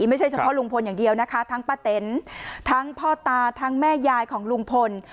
ไม่ใช่เฉพาะลุงพลอย่างเดียวนะคะทั้งป้าเต็นทั้งพ่อตาทั้งแม่ยายของลุงพล